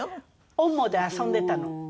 おんもで遊んでたの。